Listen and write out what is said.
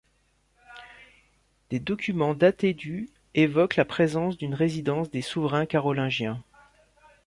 Des documents datés du évoquent la présence d'une résidence des souverains carolingiens.